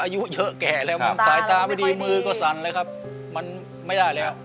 อายุเยอะแก่แล้วมันสายตาไม่ดีมือก็สั่นเลยครับมันไม่ได้แล้ว